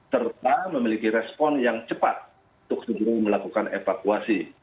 serta memiliki respon yang cepat untuk segera melakukan evakuasi